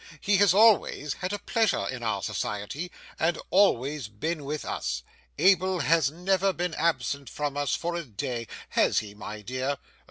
He has always had a pleasure in our society, and always been with us. Abel has never been absent from us, for a day; has he, my dear?